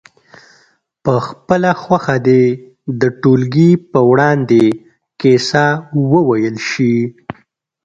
په خپله خوښه دې د ټولګي په وړاندې کیسه وویل شي.